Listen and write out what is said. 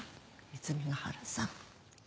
泉ヶ原さん。